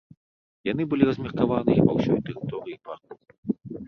Яны былі размеркаваныя па ўсёй тэрыторыі парку.